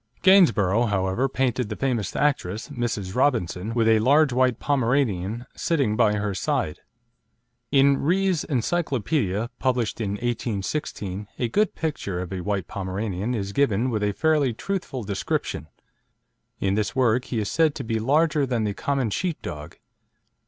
Gainsborough, however, painted the famous actress, Mrs. Robinson, with a large white Pomeranian sitting by her side. In Rees' Encyclopedia, published in 1816, a good picture of a white Pomeranian is given with a fairly truthful description. In this work he is said to be "larger than the common sheep dog."